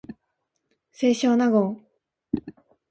清少納言